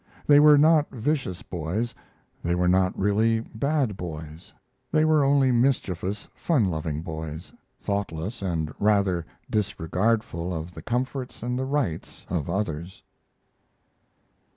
They were not vicious boys; they were not really bad boys; they were only mischievous, fun loving boys thoughtless, and rather disregardful of the comforts and the rights of others.